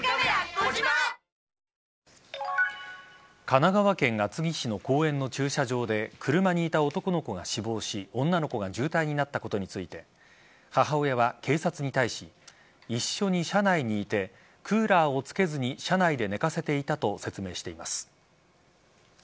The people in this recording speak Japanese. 神奈川県厚木市の公園の駐車場で車にいた男の子が死亡し女の子が重体になったことについて母親は警察に対し一緒に車内にいてクーラーをつけずに車内で寝かせていたと説明しています。